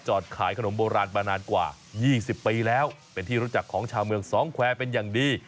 ขายขนมโบราณมานานกว่า๒๐ปีแล้วเป็นที่รู้จักของชาวเมืองสองแควร์เป็นอย่างดี